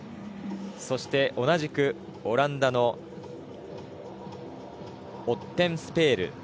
そして、同じくオランダのオッテルスペール